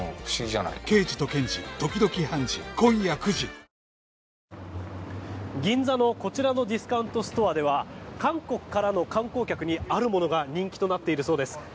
乳酸菌が一時的な胃の負担をやわらげる銀座のこちらのディスカウントストアでは韓国からの観光客にあるものが人気となっているそうです。